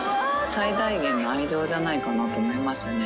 最大限の愛情じゃないかなって思いますね。